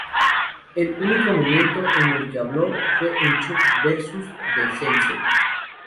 El único momento en el que habló fue en "Chuck Versus the Sensei".